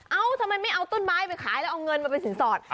ทำไมไม่เอาต้นไม้ไปขายแล้วเอาเงินมาเป็นสินสอด